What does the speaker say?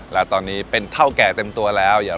และตอนนี้เป็นเท่าแก่เต็มตัวแล้ว